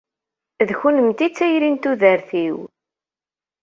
D kennemti i d tayri n tudert-iw.